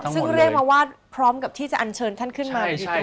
อ๋อซึ่งเรียกมาว่าพร้อมกับที่จะอันเชิญท่านขึ้นมาอยู่ตรงนี้